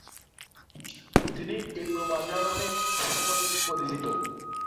তিনি ইবনু মাজাহ নামেই সমধিক পরিচিত।